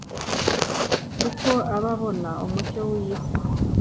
kuko aba abona umucyo w iyi si